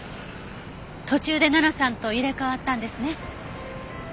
途中で奈々さんと入れ替わったんですね。